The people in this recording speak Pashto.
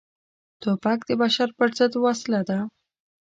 توپک د بشر پر ضد وسله ده.